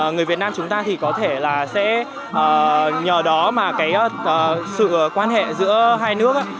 người việt nam chúng ta thì có thể là sẽ nhờ đó mà cái sự quan hệ giữa hai nước